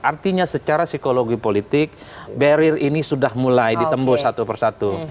artinya secara psikologi politik barrier ini sudah mulai ditembus satu persatu